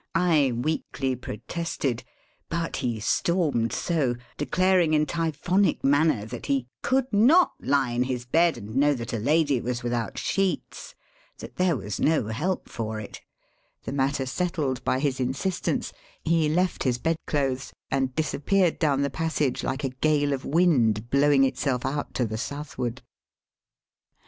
I weakly protested; but he stormed so, declaring in typhoonic manner that he *' could not he in his bed and know that a lady was without sheets," that there was no help for it. The VOL. II. 40 Digitized by VjOOQIC 322 EAST BY WEST. matter settled by his insistan6e, he left his bed clothes and disappeared down the passage Kke a gale of wind blowing itself out to the southward.